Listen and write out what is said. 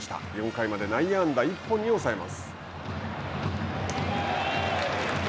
４回まで内野安打１本に抑えます。